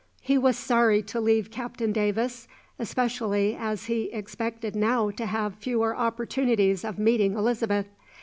He was sorry to leave Captain Davis, especially as he expected now to have fewer opportunities of meeting Elizabeth.